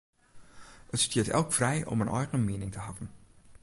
It stiet elk frij om in eigen miening te hawwen.